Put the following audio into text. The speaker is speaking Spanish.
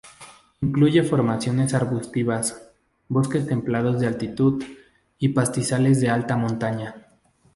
Incluye formaciones arbustivas, bosques templados de altitud, y pastizales de alta montaña.